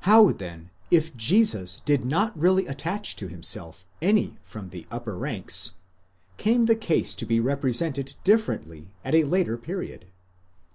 How, then, if Jesus did not really attach to himself any from the upper ranks, came the case to be represented differently at a later period?